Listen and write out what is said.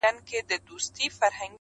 لکه نکل د ماشومي شپې په زړه کي -